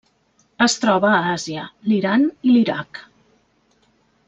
Es troba a Àsia: l'Iran i l'Iraq.